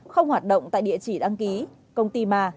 không hoạt động tại địa chỉ đăng ký công ty mà